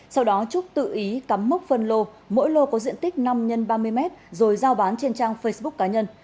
sau đó trúc tự ý cắm mốc phân lô mỗi lô có diện tích năm x ba mươi m rồi giao bán trên trang facebook cá nhân